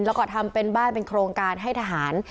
แล้วก็ทำเป็นบ้านเป็นโครงการให้ทหาร